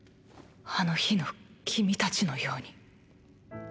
あの日の君たちのように。